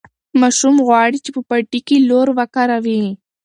ماشوم غواړي چې په پټي کې لور وکاروي.